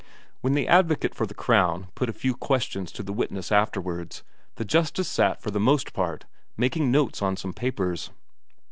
When the advocate for the Crown put a few questions to the witness afterwards, the justice sat for the most part making notes on some papers.